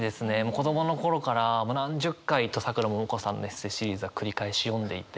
子供の頃からもう何十回とさくらももこさんのエッセーシリーズは繰り返し読んでいて。